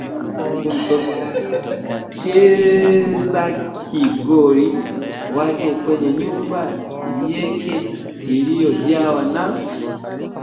kumsogeza kigori wake kwenye nyumba yeke iliyojawa na